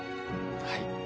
はい